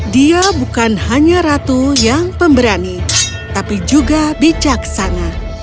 dia bukan hanya ratu yang pemberani tapi juga bijaksana